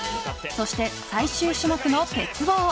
そして、最終種目の鉄棒。